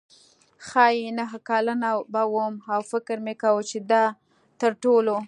ښايي نهه کلنه به وم او فکر مې کاوه چې دا تر ټولو.